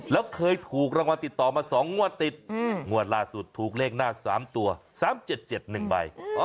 แล้วเคยถูกรางวัลติดต่อมาสองงวดติดงวดล่าสุดถูกเลขหน้าสามตัวสามเจ็ดเจ็ดหนึ่งใบ